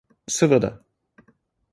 Seveda.